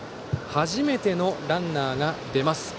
初めてのランナーが出ました。